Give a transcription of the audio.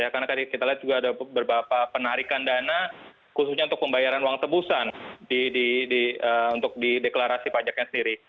karena tadi kita lihat juga ada beberapa penarikan dana khususnya untuk pembayaran uang tebusan untuk di deklarasi pajaknya sendiri